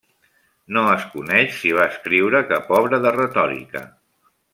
No es coneix si va escriure cap obra de retòrica.